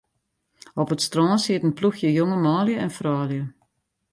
Op it strân siet in ploechje jonge manlju en froulju.